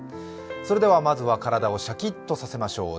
それではまずは体をシャキッとさせましょう。